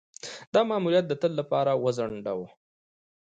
دا ماموریت د تل لپاره وځنډاوه.